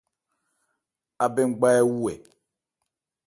Abɛn gba ɛ wu ɛ ?